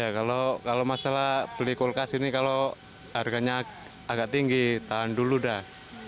ya kalau masalah beli kulkas ini kalau harganya agak tinggi tahan dulu dah